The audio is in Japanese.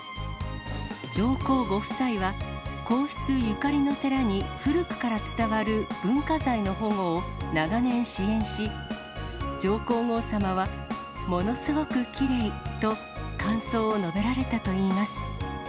上皇ご夫妻は皇室ゆかりの寺に古くから伝わる文化財の保護を長年、支援し、上皇后さまは、ものすごくきれいと、感想を述べられたといいます。